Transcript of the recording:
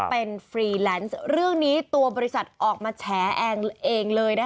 เป็นฟรีแลนซ์เรื่องนี้ตัวบริษัทออกมาแฉเองเลยนะคะ